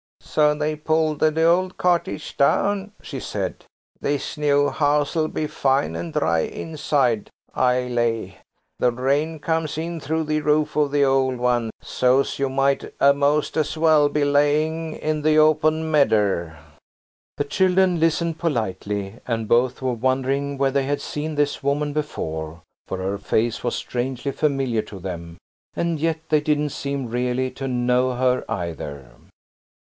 "So they've pulled the old cottage down," she said. "This new house'll be fine and dry inside, I lay. The rain comes in through the roof of the old one so's you might a'most as well be laying in the open medder." The children listened politely, and both were wondering where they had seen this woman before, for her face was strangely familiar to them, and yet they didn't seem really to know her either.